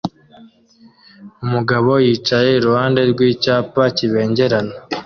Umugabo yicaye iruhande rw'icyapa kibengerana